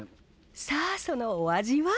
さあそのお味は？